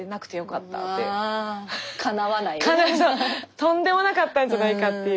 とんでもなかったんじゃないかっていう。